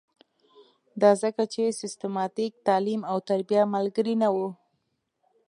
دا ځکه چې سیستماتیک تعلیم او تربیه ملګرې نه وه.